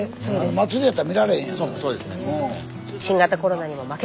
祭りやったら見られへんやんか。